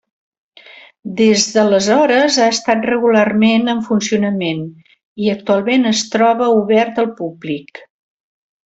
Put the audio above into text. Des d'aleshores ha estat regularment en funcionament, i actualment es troba obert al públic.